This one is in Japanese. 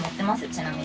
ちなみに。